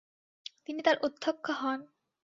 তিনি তার অধ্যক্ষা হন।